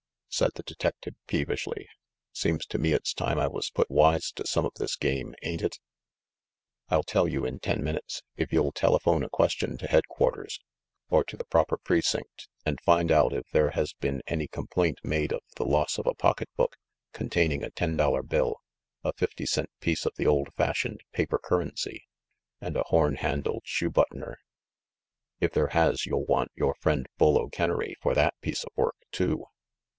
said the detective peevishly. "Seems to me it's time I was put wise to some of this game, ain't it ?" "I'll tell you in ten minutes, if you'll telephone a question to headquarters, or to the proper precinct, and find out if there has been any complaint made of the loss of a pocketbook containing a ten dollar bill, a fifty cent piece of the old fashioned paper currency, and a horn handled shoe buttoner. If there has, you'll want your friend Bull O'Kennery for that piece of work, too."